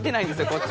こっち。